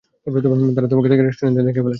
তারা তোমাকে আমার সাথে রেস্টুরেন্টে দেখে ফেলেছে।